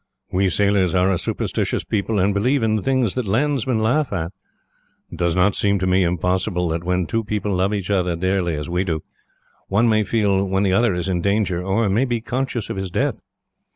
We sailors are a superstitious people, and believe in things that landsmen laugh at. It does not seem to me impossible that, when two people love each other dearly, as we do, one may feel when the other is in danger, or may be conscious of his death.